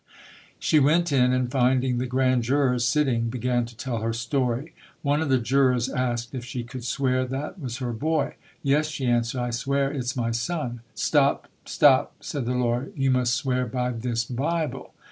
She went in, and finding the grand jurors sit ting; began to tell her story. One of the jurors asked if she could swear that was her be "Yes", Ac answered, "I swear it's my son." "Stop, stopr said the lawyer, "you must swear by this Bible."